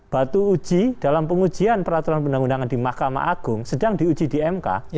batu uji dalam pengujian peraturan undang undangan di mahkamah agung sedang diuji di mk